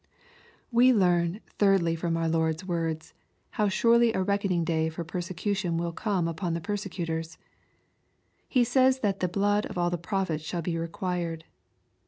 We learn, thirdly, from our Lord's words, how surely a reckoning day for persecution will come upon the per^ secutors. He says that the " blood of all the prophets shall be required."